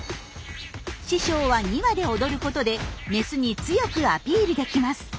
師匠は２羽で踊ることでメスに強くアピールできます。